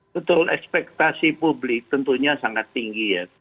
betul ekspektasi publik tentunya sangat tinggi ya